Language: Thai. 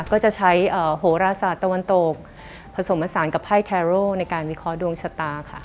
ก็จะใช้โหราศาสตร์ตะวันตกผสมผสานกับไพ่แคโร่ในการวิเคราะห์ดวงชะตาค่ะ